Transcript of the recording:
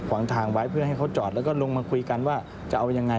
วางทางไว้เพื่อให้เขาจอดแล้วก็ลงมาคุยกันว่าจะเอายังไง